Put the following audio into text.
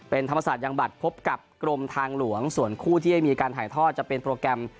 เป็นธรรมศาสตร์ยังบัตรพบกับกรมทางหลวงส่วนคู่ที่ได้มีการถ่ายทอดจะเป็นโปรแกรม